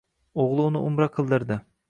Oʻgʻil uni umra qildirdi.